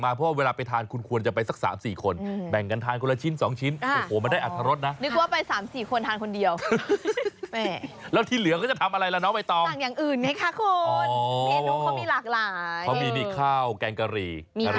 ไม่ทานเนื้อไปกันด้วยกันหมดเลยได้